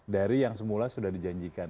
dari yang semula sudah dijanjikan